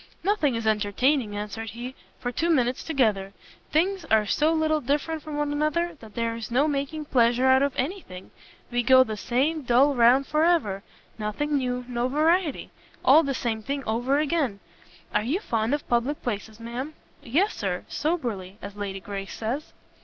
"Nothing is entertaining," answered he, "for two minutes together. Things are so little different one from another, that there is no making pleasure out of any thing. We go the same dull round for ever; nothing new, no variety! all the same thing over again! Are you fond of public places, ma'am?" "Yes, Sir, soberly, as Lady Grace says."